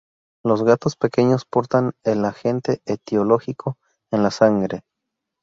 Los gatos pequeños portan el agente etiológico en la sangre.